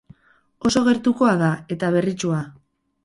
Oso gertukoa da, eta berritsua.